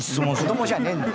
子どもじゃねえんだよ。